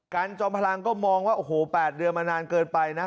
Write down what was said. จอมพลังก็มองว่าโอ้โห๘เดือนมานานเกินไปนะ